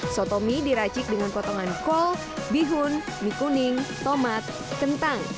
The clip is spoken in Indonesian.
soto mie diracik dengan potongan kol bihun mie kuning tomat kentang